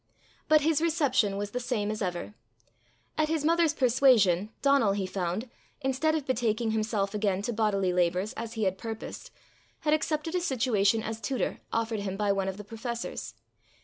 But his reception was the same as ever. At his mother's persuasion, Donal, he found, instead of betaking himself again to bodily labours as he had purposed, had accepted a situation as tutor offered him by one of the professors.